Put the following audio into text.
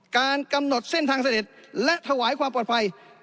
การกำหนดเส้นทางเสด็จและถวายความปลอดภัย